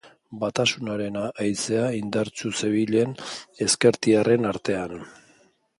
Batasunaren haizea indartsu zebilen ezkertiarren artean.